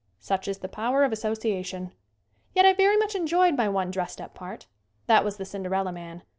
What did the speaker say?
Such is the power of association. Yet I very much enjoyed my one dressed up part. That was "The Cinderella Man."